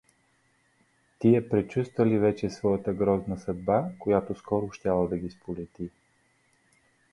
Тия предчувствували вече своята грозна съдба, която скоро щяла да ги сполети.